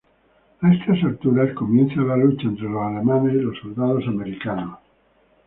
A estas alturas, comienza la lucha entre los alemanes y los soldados americanos.